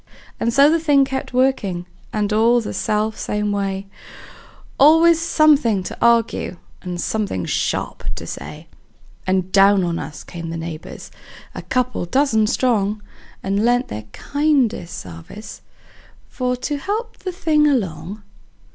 And so the thing kept workin', and all the self same way; Always somethin' to arg'e, and somethin' sharp to say; And down on us came the neighbors, a couple dozen strong, And lent their kindest sarvice for to help the thing along.